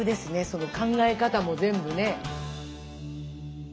その考え方も全部ね。